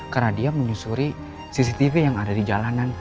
karena dia menyusuri cctv yang ada di jalanan